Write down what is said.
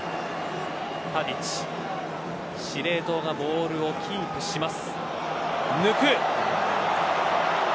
タディッチ、司令塔がボールをキープします。